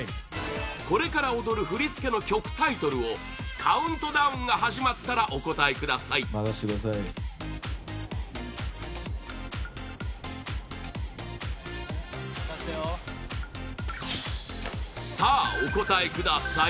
これから踊る振り付けの曲タイトルをカウントダウンが始まったらお答えくださいさあ、お答えください！